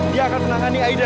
dia akan menangani aida